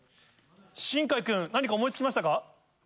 新海君何か思い付きましたか？